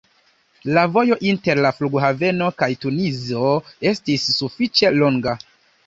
La vojo inter la flughaveno kaj Tunizo estis sufiĉe longa.